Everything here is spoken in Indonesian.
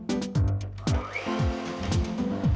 udah aku kasih mama